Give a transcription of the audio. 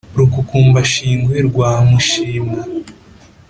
rukukumbashingwe rwa mushimwa,